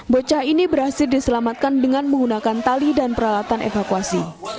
bocah ini berhasil diselamatkan dengan menggunakan tali dan peralatan evakuasi